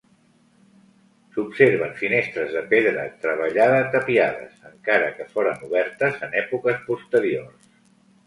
S'observen finestres de pedra treballada tapiades, encara que foren obertes en èpoques posteriors.